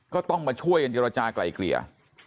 ก็ต้องมาช่วยกันเยอะราจาไกลเกลี่ย